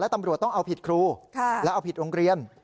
ตำรวจต้องเอาผิดครูแล้วเอาผิดโรงเรียน